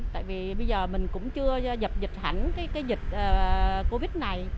tại vì bây giờ mình cũng chưa dập dịch hẳn cái dịch covid này